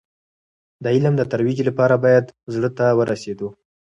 د علم د ترویج لپاره باید زړه ته ورسېدو.